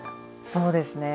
そうですね